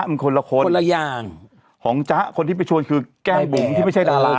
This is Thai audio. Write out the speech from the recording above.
มันคนละคนคนละอย่างของจ๊ะคนที่ไปชวนคือแก้มบุ๋มที่ไม่ใช่ดารา